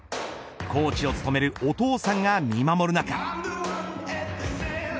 コーチを務めるお父さんが見守る中。